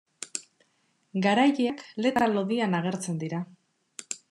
Garaileak letra lodian agertzen dira.